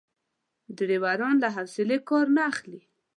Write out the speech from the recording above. ډریوران له حوصلې کار نه اخلي.